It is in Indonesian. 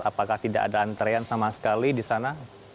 apakah tidak ada antrean sama sekali di sana